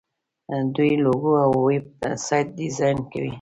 دوی لوګو او ویب سایټ ډیزاین کوي.